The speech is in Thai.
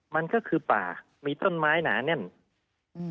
มันก็คือป่ามีต้นไม้หนาแน่นอืม